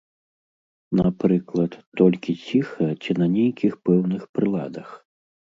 Напрыклад, толькі ціха ці на нейкіх пэўных прыладах?